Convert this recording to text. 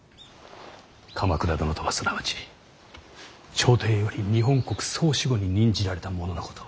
鎌倉殿とはすなわち朝廷より日本国総守護に任じられた者のこと。